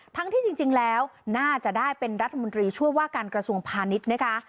ที่จริงแล้วน่าจะได้เป็นรัฐมนตรีช่วยว่าการกระทรวงพาณิชย์นะคะ